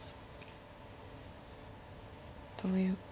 どういう。